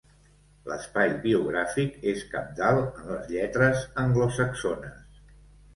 L'espai biogràfic és cabdal en les lletres anglosaxones.